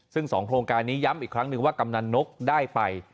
ซึ่ง๒โครงการนี้ย้ำอีกครั้งหนึ่งว่ากำนันนกได้ไป